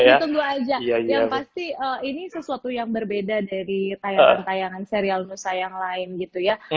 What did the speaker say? ditunggu aja yang pasti ini sesuatu yang berbeda dari tayangan tayangan serial nusa yang lain gitu ya